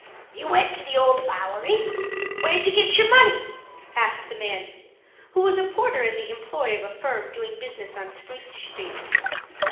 "You went to the Old Bowery? Where'd you get your money?" asked the man, who was a porter in the employ of a firm doing business on Spruce Street.